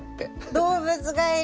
動物がいる。